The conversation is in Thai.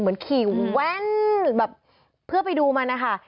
เหมือนขี่แว่นแบบเพื่อไปดูมันนะคะ